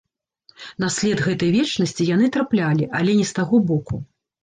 На след гэтай вечнасці яны траплялі, але не з таго боку.